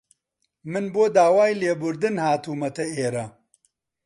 من بۆ داوای لێبوردن هاتوومەتە ئێرە.